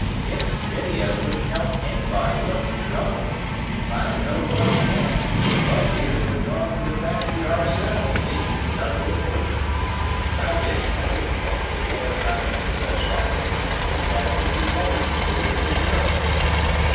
"It's a pity I wouldn't help anybody what's in trouble! If I'd a knowed what it meant, me and Bub here would have gone to the factory ourselves, maybe, and done the work quicker. But I didn't know what with war times and such like but that it would be better to deliver the note."